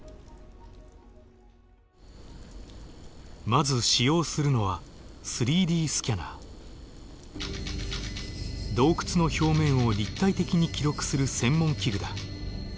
まず使用するのは洞窟の表面を立体的に記録する専門機具だ。